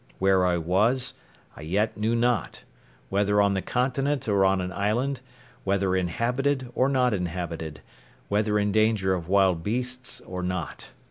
Where I was, I yet knew not; whether on the continent or on an island; whether inhabited or not inhabited; whether in danger of wild beasts or not.